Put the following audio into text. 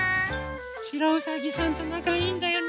しろうさぎさんとなかいいんだよね。